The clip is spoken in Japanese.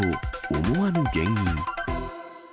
思わぬ原因。